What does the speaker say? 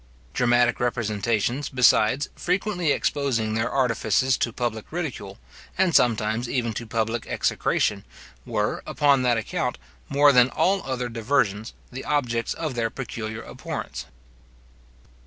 Dramatic representations, besides, frequently exposing their artifices to public ridicule, and sometimes even to public execration, were, upon that account, more than all other diversions, the objects of their peculiar abhorrence.